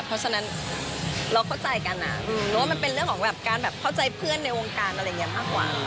เพราะฉะนั้นเราเข้าใจกันว่ามันเป็นเรื่องของแบบการแบบเข้าใจเพื่อนในวงการอะไรอย่างนี้มากกว่า